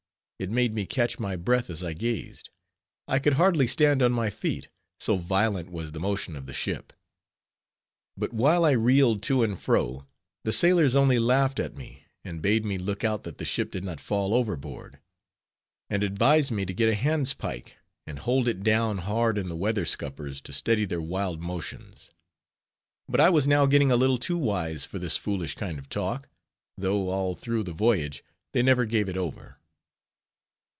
It made me catch my breath as I gazed. I could hardly stand on my feet, so violent was the motion of the ship. But while I reeled to and fro, the sailors only laughed at me; and bade me look out that the ship did not fall overboard; and advised me to get a handspike, and hold it down hard in the weather scuppers, to steady her wild motions. But I was now getting a little too wise for this foolish kind of talk; though all through the voyage, they never gave it over.